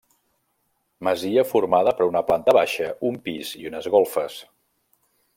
Masia formada per una planta baixa, un pis i unes golfes.